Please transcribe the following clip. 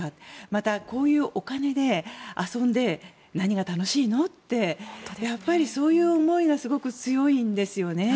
また、こういうお金で遊んで何が楽しいの？ってやっぱりそういう思いがすごく強いんですよね。